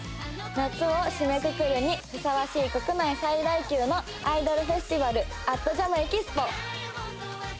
夏を締めくくるにふさわしい国内最大級のアイドルフェスティバル＠ＪＡＭＥＸＰＯ。